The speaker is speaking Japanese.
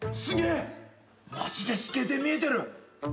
すげえマジで透けて見えてる！